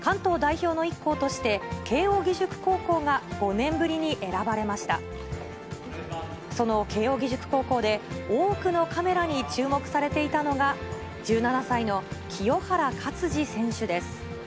その慶応義塾高校で、多くのカメラに注目されていたのが、１７歳の清原勝児選手です。